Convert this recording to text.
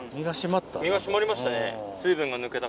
身が締まりましたね。